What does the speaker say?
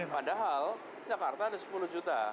padahal jakarta ada sepuluh juta